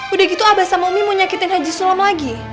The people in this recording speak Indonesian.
udah gitu abah sama mi mau nyakitin haji sulam lagi